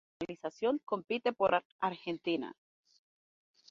Desde su nacionalización, compite por Argentina.